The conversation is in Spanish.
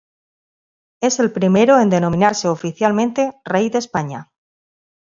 Es el primero en denominarse oficialmente "Rey de España".